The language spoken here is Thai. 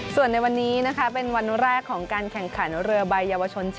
ส่วนในวันนี้นะคะเป็นวันแรกของการแข่งขันเรือใบเยาวชน